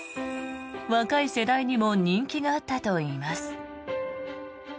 若い世代にも人気があったといいます。